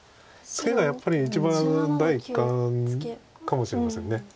ツケがやっぱり一番第一感かもしれません。